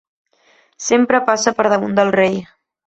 Sempre passa per damunt del rei.